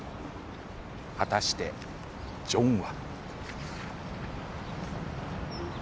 果たして、ジョンは？